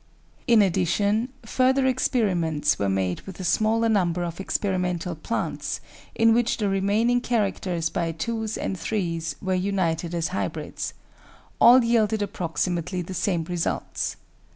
In addition, further experiments were made with a smaller num ber of experimental plants in which the remaining characters by APPENDIX 331 twos and threes were united as hybrids : all yielded approximately the same results.